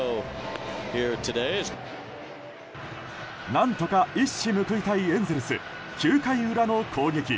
何とか一矢報いたいエンゼルス９回裏の攻撃。